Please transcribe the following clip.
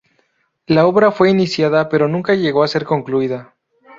La obra fue iniciada pero no llegó a ser concluida.